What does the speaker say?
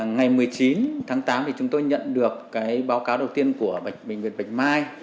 ngày một mươi chín tháng tám thì chúng tôi nhận được báo cáo đầu tiên của bệnh viện bạch mai